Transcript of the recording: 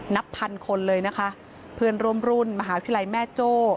นับพันคนเลยนะคะเพื่อนร่วมรุ่นมหาวิทยาลัยแม่โจ้